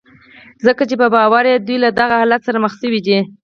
ځکه چې په باور يې دوی له دغه حالت سره مخ شوي دي.